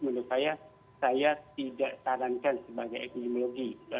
menurut saya saya tidak sarankan sebagai epidemiologi